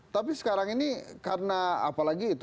tapi sekarang ini karena apalagi itu